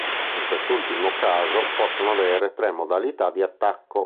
In quest'ultimo caso possono avere tre modalità di attacco.